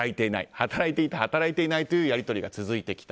働いていた、働いていないというやり取りが続いてきた。